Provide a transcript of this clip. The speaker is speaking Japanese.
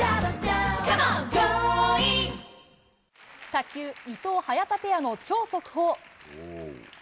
卓球、伊藤・早田ペアの超速報。